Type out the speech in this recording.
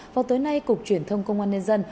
vào tối nay cục truyền thông công an nhân dân